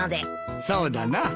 そうだな。